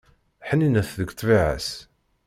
Ḥninet deg ṭṭbiɛa-s.